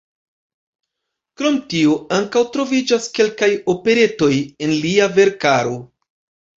Krom tio ankaŭ troviĝas kelkaj operetoj en lia verkaro.